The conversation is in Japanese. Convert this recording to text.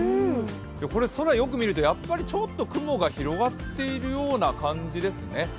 これ空、よく見るとやっぱりちょっと雲が広がってるような感じですね。